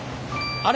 あれ？